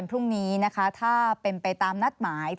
มันจอดอย่างง่ายอย่างง่ายอย่างง่าย